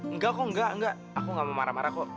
enggak kok enggak enggak aku gak mau marah marah kok